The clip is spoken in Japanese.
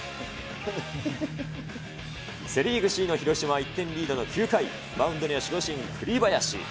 セ・リーグ首位の広島は１点リードの９回、マウンドには守護神、栗林。